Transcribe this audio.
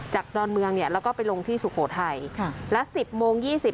ดอนเมืองเนี่ยแล้วก็ไปลงที่สุโขทัยค่ะและสิบโมงยี่สิบ